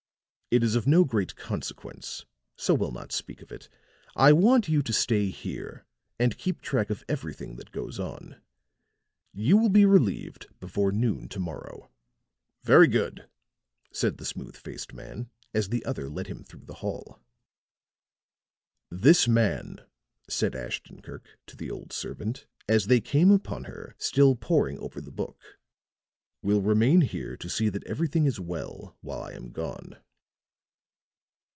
"It is of no great consequence, so we'll not speak of it. I want you to stay here and keep track of everything that goes on; you will be relieved before noon to morrow." "Very good," said the smooth faced man as the other led him through the hall. "This man," said Ashton Kirk to the old servant as they came upon her, still poring over the book, "will remain here to see that everything is well while I am gone."